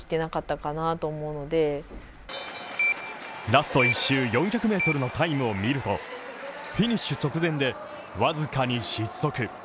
ラスト１周４００ｍのタイムをみると、フィニッシュ直前で、僅かに失速。